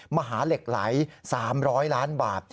มหาเหล็กไหล๓๐๐ล้านบาท